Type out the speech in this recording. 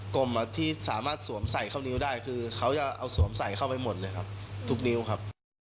กลมที่สามารถสวมใส่เข้านิ้วได้คือเขาจะเอาสวมใส่เข้าไปหมดเลยครับทุกนิ้วครับ